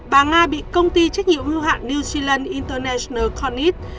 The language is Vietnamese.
bà nga bị công ty trách nhiệm hưu hạn new zealand international conne